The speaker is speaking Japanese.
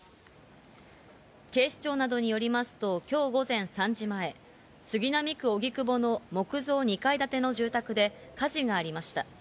警視庁などによりますと、今日午前３時前、杉並区荻窪の木造２階建ての住宅で火事がありました。